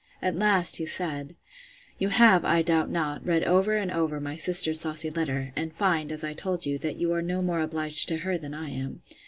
At last, he said, You have, I doubt not, read, over and over, my sister's saucy letter; and find, as I told you, that you are no more obliged to her than I am.